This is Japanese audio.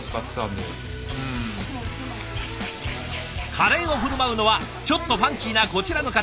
カレーを振る舞うのはちょっとファンキーなこちらの方。